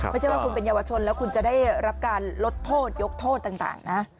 ไม่ใช่ว่าคุณเป็นเยาวชนแล้วคุณจะได้รับการลดโทษยกโทษต่างนะ